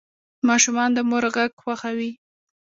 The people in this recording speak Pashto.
ماشومان د مور غږ خوښوي.